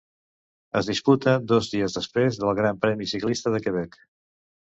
Es disputa dos dies després del Gran Premi Ciclista de Quebec.